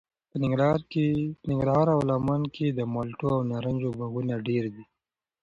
په ننګرهار او لغمان کې د مالټو او نارنجو باغونه ډېر دي.